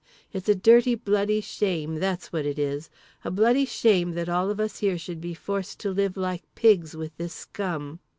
It's a dirty bloody shame, that's what it is. A bloody shame that all of us here should be forced to live like pigs with this scum!